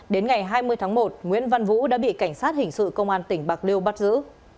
đến ngày hai mươi tháng một nguyễn văn vũ đã bị cảnh sát hình sự công an tỉnh bạc liêu bắt giữ